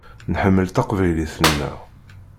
Nḥemmel taqbaylit-nneɣ.